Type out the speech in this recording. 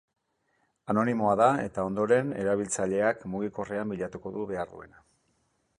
Anonimoa da eta ondoren erabiltzaileak mugikorrean bilatuko du behar duena.